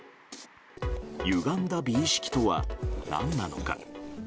ゆがんだ美意識とは何なのか？